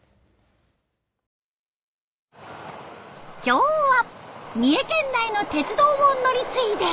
今日は三重県内の鉄道を乗り継いで。